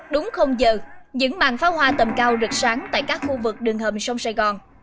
đúng không giờ những màn pháo hoa tầm cao rực sáng tại các khu vực đường hầm sông sài gòn